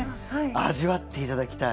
味わっていただきたい。